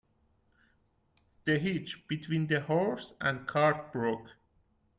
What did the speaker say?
The hitch between the horse and cart broke.